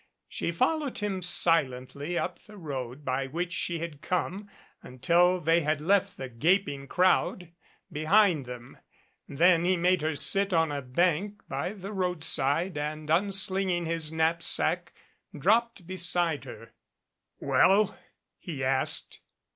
She followed him silently up the road by which she had come until they had left the gaping crowd behind them. Then he made her sit on a bank by the roadside and unslinging his knapsack dropped beside her. "Well?" he asked.